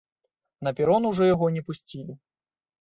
На перон ужо яго не пусцілі.